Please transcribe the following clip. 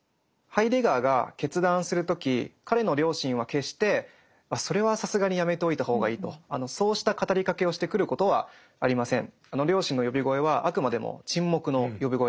ハイデガーが決断する時彼の良心は決して「それはさすがにやめておいた方がいい」とそうした語りかけをしてくることはありません。